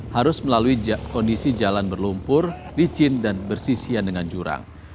harus melalui kondisi jalan berlumpur licin dan bersisian dengan jurang